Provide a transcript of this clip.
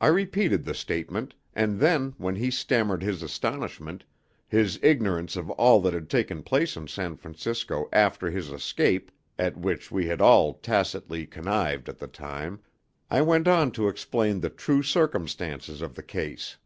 I repeated the statement, and then, when he stammered his astonishment, his ignorance of all that had taken place in San Francisco after his escape (at which we had all tacitly connived at the time), I went on to explain the true circumstances of the case.